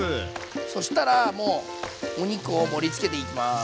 そしたらもうお肉を盛りつけていきます。